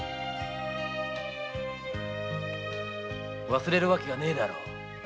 忘れる訳がねえだろう